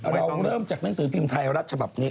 เราเริ่มจากหนังสือพิมพ์ไทยรัฐฉบับนี้